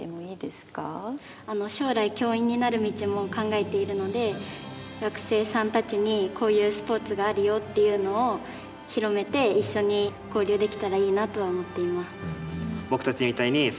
将来教員になる道も考えているので学生さんたちにこういうスポーツがあるよっていうのを広めて一緒に交流できたらいいなとは思っています。